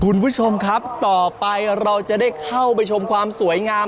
คุณผู้ชมครับต่อไปเราจะได้เข้าไปชมความสวยงาม